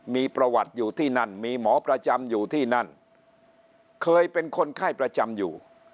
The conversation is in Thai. มีประวัติอยู่ที่นั่นมีหมอประจำอยู่ที่นั่นเคยเป็นคนไข้ประจำอยู่